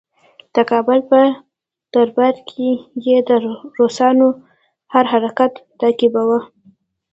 د کابل په دربار کې یې د روسانو هر حرکت تعقیباوه.